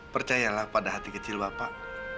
percayalah pada hati kecil bapak